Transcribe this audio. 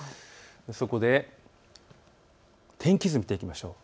そこで天気図を見ていきましょう。